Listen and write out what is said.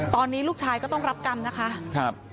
ตอนนี้ลูกชายก็ต้องรับกรรมนะคะ